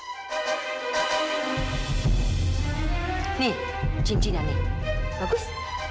ini cincinnya nih bagus